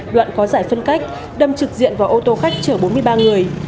đoạn có giải phân cách đâm trực diện vào ô tô khách chở bốn mươi ba người